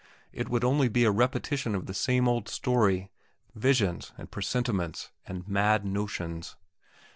It would only be a repetition of the same old story visions, and presentiments, and mad notions.